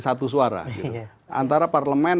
satu suara antara parlemen